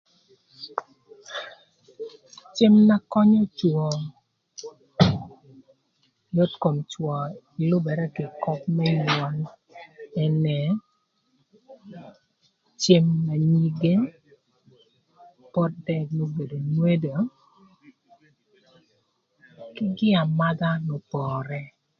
Cem na könyö cwö yot kom cwö na lübërë kï köp më nywöl ënë cem na nyige, pot dëk n'obedo ngwedo kï gin amadha n'opore.